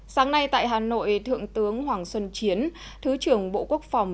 sáng nay tại hà nội thượng tướng hoàng xuân chiến thứ trưởng bộ quốc phòng